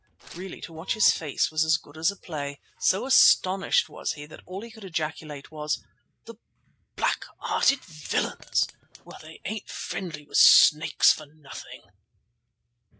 Really to watch his face was as good as a play. So astonished was he that all he could ejaculate was— "The black hearted villains! Well, they ain't friendly with snakes for nothing."